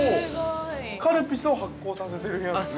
◆カルピスを発酵させてる部屋なんですね。